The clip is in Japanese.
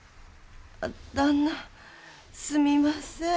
旦那すみません。